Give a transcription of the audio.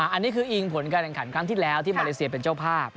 อันนี้คืออิงผลการแข่งขันครั้งที่แล้วที่มาเลเซียเป็นเจ้าภาพ